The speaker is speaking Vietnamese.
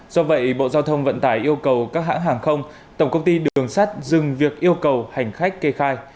do vậy bộ giao thông vận tải yêu cầu các hãng hàng không tổng công ty đường sắt dừng việc yêu cầu hành khách kê khai